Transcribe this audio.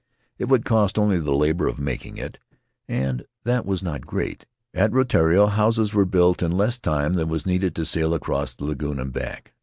It would cost only the labor of making it, and that was not great. At Rutiaro houses were built in less time than was needed to sail across the lagoon and back.